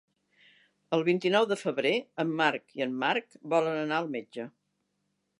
El vint-i-nou de febrer en Marc i en Marc volen anar al metge.